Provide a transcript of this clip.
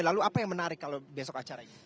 lalu apa yang menarik kalau besok acaranya